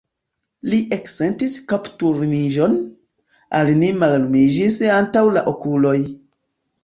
Li eksentis kapturniĝon, al li mallumiĝis antaŭ la okuloj.